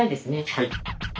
はい。